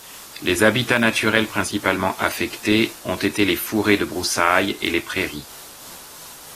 Les habitats naturels principalement affectés ont été les fourrés de broussailles et les prairies.